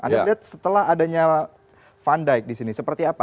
anda melihat setelah adanya fun dijk di sini seperti apa